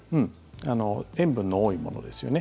塩分の多いものですよね。